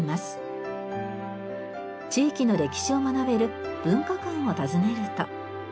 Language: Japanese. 地域の歴史を学べる文化館を訪ねると。